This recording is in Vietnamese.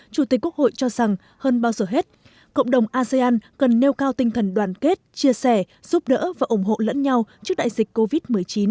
chủ tịch quốc hội cho rằng hơn bao giờ hết cộng đồng asean cần nêu cao tinh thần đoàn kết chia sẻ giúp đỡ và ủng hộ lẫn nhau trước đại dịch covid một mươi chín